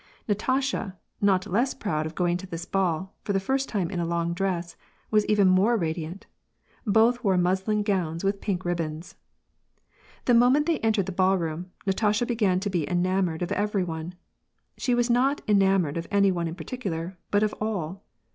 Natasha, not less proud of going to this ball, for the first time in a long dress, was even more radiant. Both wore muslin gowns with pink ribbons. The moment they entered the ballroom, Natasha began to be enamoured of everyone. She was not enamoured of any one in particular, but of all